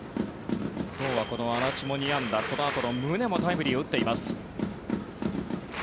今日は安達も２安打このあとの宗もタイムリーを打っています。